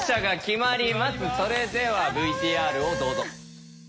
それではＶＴＲをどうぞ。